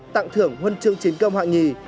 tặng thưởng huân chương chiến công hoạng nhì